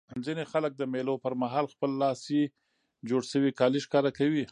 ځيني خلک د مېلو پر مهال خپلي لاسي جوړ سوي کالي ښکاره کوي.